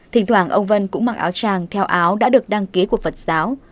thỉnh thoảng ông vân cũng mặc áo tràng theo áo đã được đăng ký của phật giáo